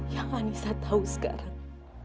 yang anissa tahu sekarang